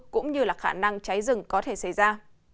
cũng như khả năng cháy rừng có thể xảy ra